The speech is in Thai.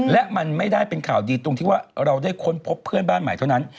และมันไม่ได้เป็นข่าวดีตรงที่ว่าเราได้ค้นพบเพื่อนบ้านใหม่เท่านั้น